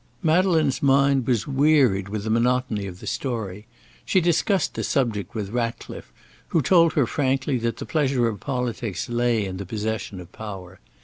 Madeleine's mind wearied with the monotony of the story. She discussed the subject with Ratcliffe, who told her frankly that the pleasure of politics lay in the possession of power.